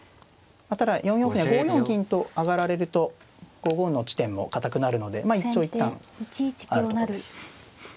ただ４四歩には５四銀と上がられると５五の地点も堅くなるのでまあ一長一短あるとこです。